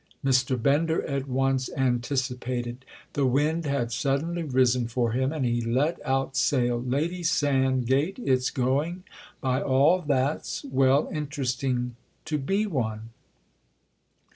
Mr. Bender at once anticipated; the wind had suddenly risen for him and he let out sail. "Lady Sand gate, it's going, by all that's—well, interesting, to be one!"